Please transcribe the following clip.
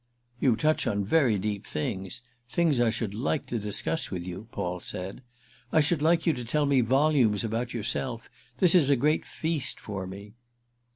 "You touch on very deep things—things I should like to discuss with you," Paul said. "I should like you to tell me volumes about yourself. This is a great feast for me!"